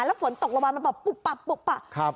แล้วฝนตกลงมามันแบบปุ๊บปับปุ๊บปับ